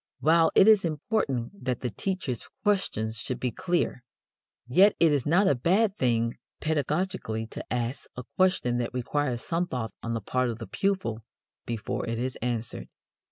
While it is important that the teacher's questions should be clear, yet it is not a bad thing pedagogically to ask a question that requires some thought on the part of the pupil before it is answered.